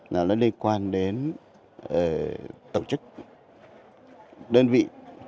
nó liên quan đến tổ chức đơn vị